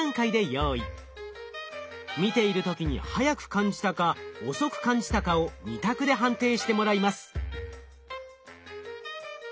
見ている時に速く感じたか遅く感じたかを２択で判定してもらいます。